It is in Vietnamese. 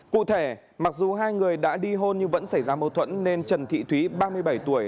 cụ thể mặc dù hai người đã đi hôn nhưng vẫn xảy ra mâu thuẫn nên trần thị thúy ba mươi bảy tuổi